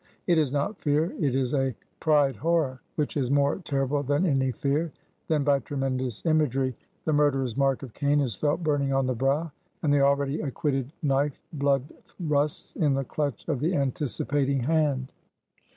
It is not fear; it is a pride horror, which is more terrible than any fear. Then, by tremendous imagery, the murderer's mark of Cain is felt burning on the brow, and the already acquitted knife blood rusts in the clutch of the anticipating hand.